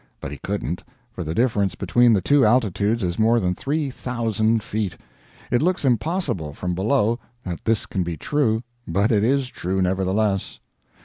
But he couldn't, for the difference between the two altitudes is more than three thousand feet. It looks impossible, from below, that this can be true, but it is true, nevertheless.